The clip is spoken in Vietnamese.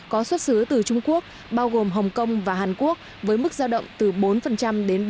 có xuất xứ từ trung quốc bao gồm hồng kông và hàn quốc với mức giao động từ bốn đến ba mươi tám ba mươi bốn